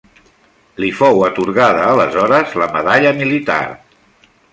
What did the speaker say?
Li fou atorgada aleshores la Medalla militar.